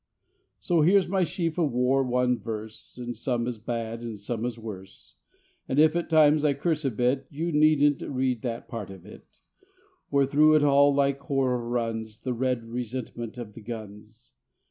So here's my sheaf of war won verse, And some is bad, and some is worse. And if at times I curse a bit, You needn't read that part of it; For through it all like horror runs The red resentment of the guns.